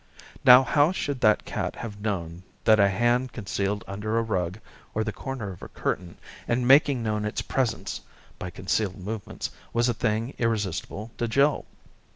Now how should that cat have known that a hand con cealed under a rug or the corner of a curtain, and making known its presence by concealed movements, was a thing irresistable to Jill